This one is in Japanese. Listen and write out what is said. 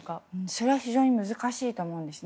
それは非常に難しいと思います。